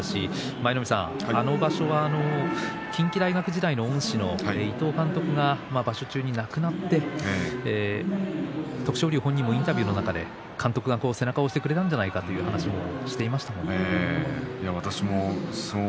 舞の海さん、あの場所は近畿大学時代の恩師の伊東監督が場所中に亡くなって徳勝龍本人もインタビューの中で監督が背中を押してくれたんじゃないかという話をしていました。